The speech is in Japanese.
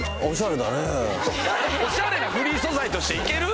オシャレなフリー素材としていける？